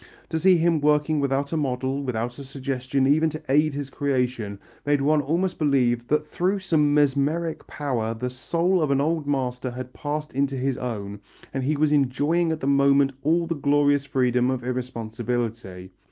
To see him working without a model, without a suggestion even to aid his creation, made one almost believe that through some mesmeric power the soul of an old master had passed into his own, and that he was enjoying at the moment all the glorious freedom of irresponsibility.